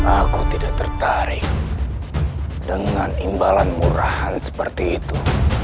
aku tidak tertarik dengan imbalan murahan seperti itu